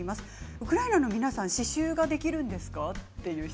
ウクライナの皆さん刺しゅうができるんですか？